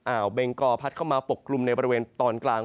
อาวเบงกอร์พัดเข้ามาปกกลุลในบระเวณ